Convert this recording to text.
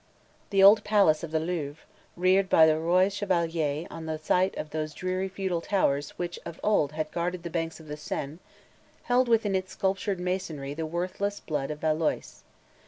The old palace of the Louvre, reared by the "Roi Chevalier" on the site of those dreary feudal towers which of old had guarded the banks of the Seine, held within its sculptured masonry the worthless brood of Valois.